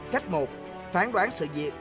cách một phán đoán sự diệp